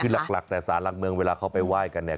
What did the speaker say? คือหลักแต่สารหลักเมืองเวลาเขาไปไหว้กันเนี่ย